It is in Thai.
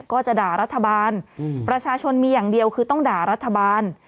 ก็จะด่ารัฐบาลประชาชนมีอย่างเดียวคือต้องด่ารัฐบาล